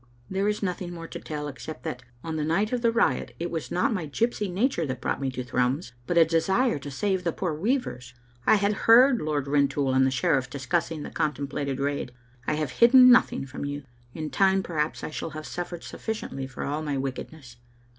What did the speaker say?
There is nothing more to tell ex cept that on the night of the riot it was not my gypsy nature that brought me to Thrums, but a desire to save the poor weavers. I had heard Lord Rintoul and the sheriff discussing the contemplated raid. I have hid den nothing from you. In time, perhaps, I shall have suffered sufficiently for all my wickedness."